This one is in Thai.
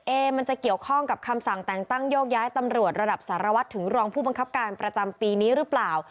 มันจะเกี่ยวข้องกับคำสั่งแต่งตั้งโยกย้ายตำรวจระดับสารวัตรถึงรองผู้บังคับการประจำปีนี้หรือเปล่า